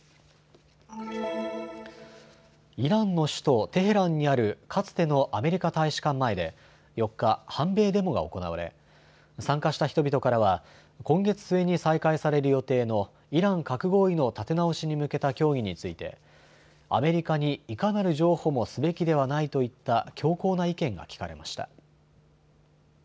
イランの首都テヘランにあるかつてのアメリカ大使館前で４日、反米デモが行われ参加した人々からは今月末に再開される予定のイラン核合意の立て直しに向けた協議についてアメリカにいかなる譲歩もすべきではないといった強硬な意見が聞かれました。